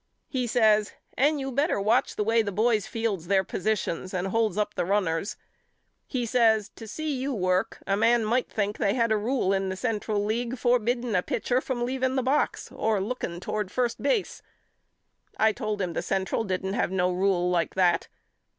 He says And you better watch the way the boys fields their positions and holds up the runners. He says To see you work a man might think they had a rule in the Central 24 YOU KNOW ME AL League forbidding a pitcher from leaving the box or looking toward first base. I told him the Central didn't have no rule like that.